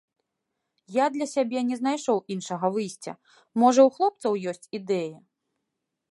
Я для сябе не знайшоў іншага выйсця, можа, у хлопцаў ёсць ідэі.